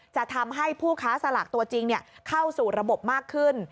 จะทำให้ผู้ค้าสลากตัวจริงเข้าสู่ระบบมากขึ้น